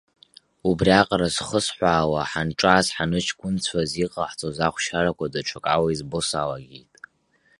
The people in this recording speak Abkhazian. Убриаҟара зхысҳәаауа, ҳанҿаз, ҳаныҷкәынцәаз иҟаҳҵоз ахәшьарақәа даҽакала избо салагеит.